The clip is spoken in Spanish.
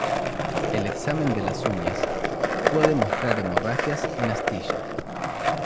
El examen de las uñas puede mostrar hemorragias en astilla.